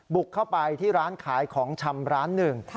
บุกเข้าไปที่ร้านขายของชำร้านหนึ่ง